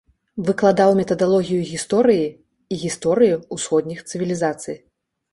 Выкладаў метадалогію гісторыі і гісторыю ўсходніх цывілізацый.